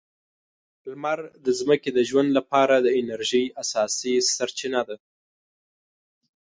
لمر د ځمکې د ژوند لپاره د انرژۍ اساسي سرچینه ده.